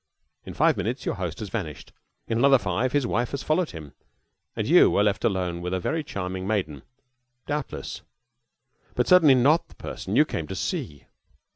In five minutes your host has vanished. In another five his wife has followed him, and you are left alone with a very charming maiden, doubtless, but certainly not the person you came to see.